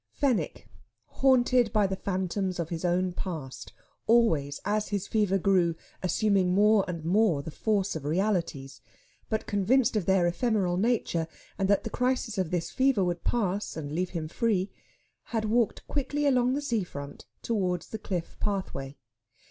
Fenwick, haunted by the phantoms of his own past always, as his fever grew, assuming more and more the force of realities but convinced of their ephemeral nature, and that the crisis of this fever would pass and leave him free, had walked quickly along the sea front towards the cliff pathway.